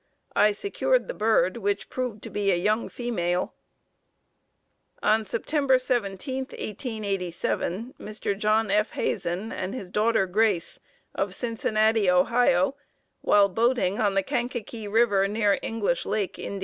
I secured the bird which proved to be a young female. On Sept. 17, 1887, Mr. John F. Hazen and his daughter Grace, of Cincinnati, Ohio, while boating on the Kankakee River near English Lake, Ind.